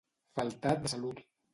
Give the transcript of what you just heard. Faltat de salut.